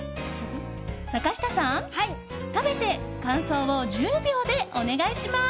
坂下さん、食べて感想を１０秒でお願いします！